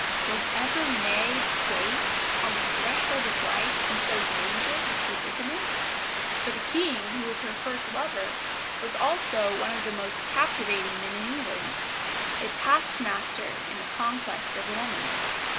Was ever maid placed, on the threshold of life, in so dangerous a predicament? For the King, who was her first lover, was also one of the most captivating men in England, a past master in the conquest of woman.